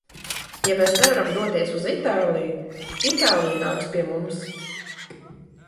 Ja mēs nevaram doties uz Itāliju, Itālija nāks pie mums!